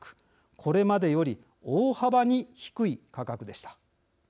これまでより大幅に低い価格でした。